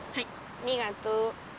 ありがとう。